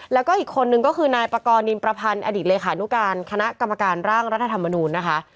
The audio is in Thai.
แล้วก็อีกคนนึงก็คือนายปากรนินประพันธ์อดีตเลขานุการคณะกรรมการร่างรัฐธรรมนูญนะคะ